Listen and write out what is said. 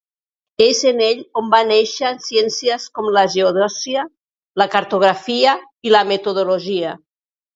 És en ell on van néixer ciències com la geodèsia, la cartografia i la meteorologia.